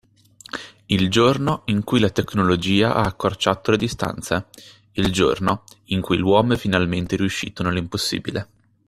Il giorno in cui la tecnologia ha accorciato le distanze, il giorno in cui l’uomo è finalmente riuscito nell’impossibile.